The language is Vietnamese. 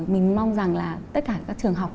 mình mong rằng là tất cả các trường học